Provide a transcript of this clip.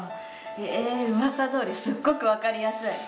へえうわさどおりすっごくわかりやすい！